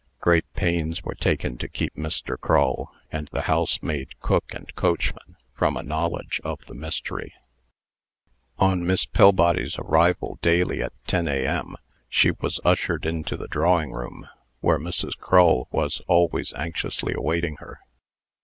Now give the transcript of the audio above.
Great pains were taken to keep Mr. Crull, and the housemaid, cook, and coachman, from a knowledge of the mystery. On Miss Pillbody's arrival daily at ten A.M., she was ushered into the drawing room, where Mrs. Crull was always anxiously awaiting her.